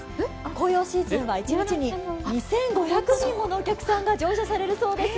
紅葉シーズンは一日に２５００人ものお客さんが乗船されるようです。